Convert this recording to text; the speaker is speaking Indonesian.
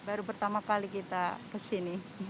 baru pertama kali kita kesini